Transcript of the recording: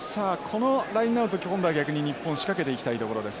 このラインアウト今度は逆に日本仕掛けていきたいところです。